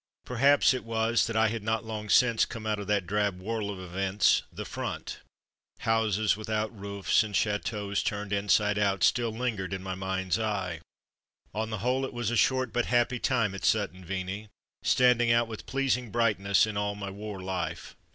Perhaps it was that I had not long since come out of that drab whirl of events, the front : houses without roofs and chateaux turned inside out still lingered in my mind's eye. On the whole, it was a short but happy time at Sutton Veney, standing out with pleasing brightness in all my war life.